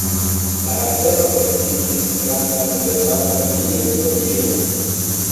La afero estigis grandan debaton en Litovio.